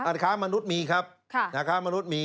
อันคารมนุษย์มีครับอันคารมนุษย์มี